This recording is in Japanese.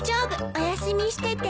お休みしてて。